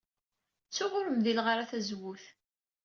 Ttuɣ ur mdileɣ ara tazewwut.